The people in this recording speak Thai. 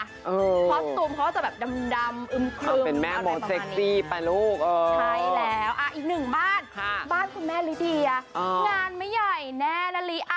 คอสตูมเขาจะแบบดำอึมคลึงเป็นแม่บอสเซคซีป่ะลูกเออใช่แล้วอีกหนึ่งบ้านบ้านคุณแม่ลิดีอะงานไม่ใหญ่แน่นาลีอะ